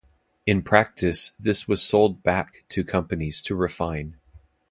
In practice this was sold back to companies to refine.